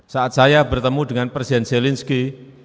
saat saya bertemu dengan presiden zelensky